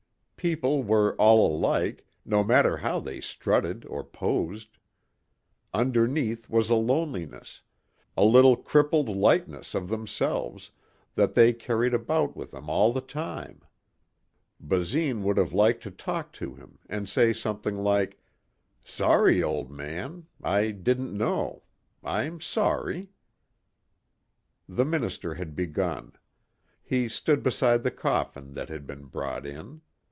People were all alike, no matter how they strutted or posed. Underneath was a loneliness a little crippled likeness of themselves that they carried about with them all the time. Basine would have liked to talk to him and say something like, "Sorry, old man. I didn't know. I'm sorry...." The minister had begun. He stood beside the coffin that had been brought in.